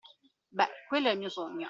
Beh, quello è il mio sogno.